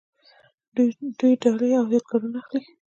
دوی ډالۍ او یادګارونه اخلي.